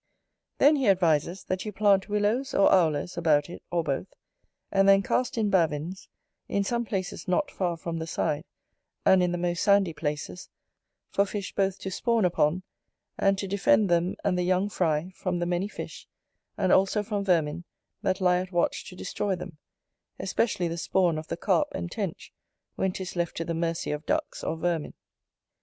Then he advises, that you plant willows or owlers, about it, or both: and then cast in bavins, in some places not far from the side, and in the most sandy places, for fish both to spawn upon, and to defend them and the young fry from the many fish, and also from vermin, that lie at watch to destroy them, especially the spawn of the Carp and Tench, when 'tis left to the mercy of ducks or vermin.